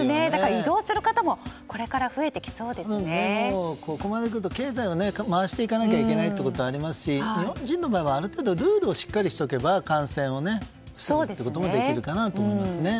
移動する方もここまでくると経済を回していかないとということがありますし日本人の場合はある程度ルールをしっかりすれば感染を防ぐこともできますからね。